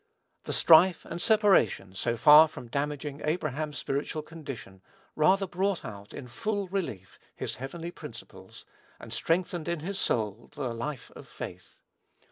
The "strife" and "separation," so far from damaging Abraham's spiritual condition, rather brought out, in full relief, his heavenly principles, and strengthened in his soul the life of faith.